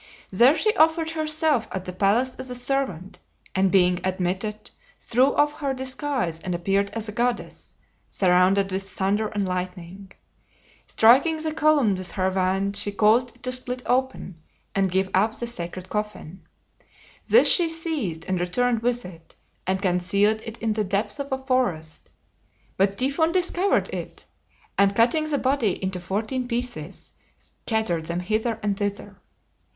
There she offered herself at the palace as a servant, and being admitted, threw off her disguise and appeared as a goddess, surrounded with thunder and lightning. Striking the column with her wand she caused it to split open and give up the sacred coffin. This she seized and returned with it, and concealed it in the depth of a forest, but Typhon discovered it, and cutting the body into fourteen pieces scattered them hither and thither.